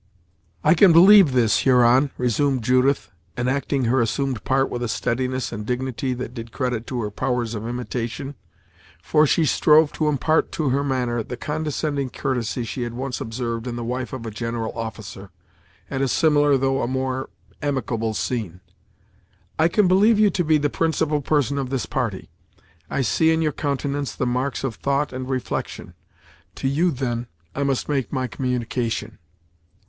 "I can believe this, Huron," resumed Judith, enacting her assumed part with a steadiness and dignity that did credit to her powers of imitation, for she strove to impart to her manner the condescending courtesy she had once observed in the wife of a general officer, at a similar though a more amicable scene: "I can believe you to be the principal person of this party; I see in your countenance the marks of thought and reflection. To you, then, I must make my communication."